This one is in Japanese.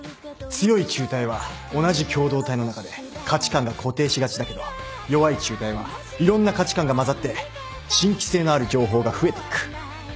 強い紐帯は同じ共同体の中で価値観が固定しがちだけど弱い紐帯はいろんな価値観が混ざって新規性のある情報が増えていく。